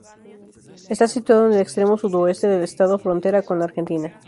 Está situado en el extremo sudoeste del estado, frontera con la Argentina.